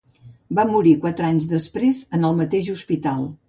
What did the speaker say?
Va morir quatre anys després en el mateix hospital.